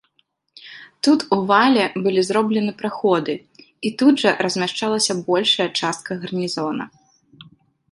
Тут у вале былі зроблены праходы, і тут жа размяшчалася большая частка гарнізона.